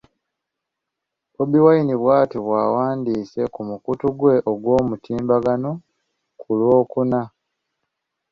Bobi Wine bw’atyo bw’awandiise ku mukutu gwe ogw’omutimbagano ku Lwokuna.